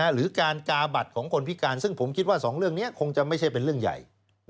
หรือการกาบัตรของคนพิการซึ่งผมคิดว่า๒เรื่องนี้คงจะไม่ใช่เป็นเรื่องใหญ่